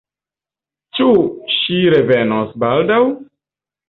Ĉu ŝi revenos baldaŭ?